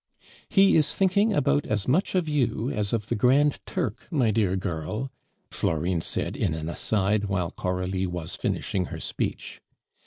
"He is thinking about as much of you as of the Grand Turk, my dear girl," Florine said in an aside while Coralie was finishing her speech.